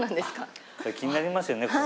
気になりますよね